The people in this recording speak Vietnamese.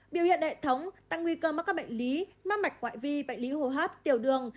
biểu hiện đại thống tăng nguy cơ mắc các bệnh lý mắc mạch quại vi bệnh lý hồ hấp tiểu đường